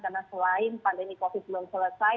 karena selain pandemi covid belum selesai